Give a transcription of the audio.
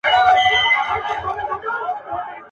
چي لا په غرونو کي ژوندی وي یو افغان وطنه!.